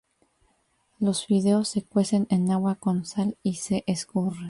Los fideos se cuecen en agua con sal y se escurren.